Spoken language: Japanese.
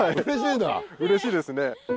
うれしいですね。